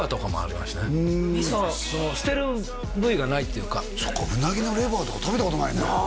珍しい捨てる部位がないっていうかウナギのレバーとか食べたことないね